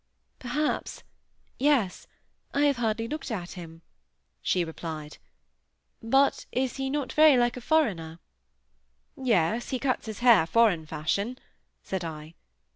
"Perhaps—yes—I have hardly looked at him," she replied "But is not he very like a foreigner?" "Yes, he cuts his hair foreign fashion," said I.